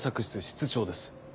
室室長です。